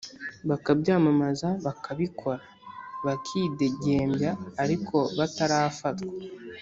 Bakabyamamaza bakababikora, bakidegembya ariko batarafatwa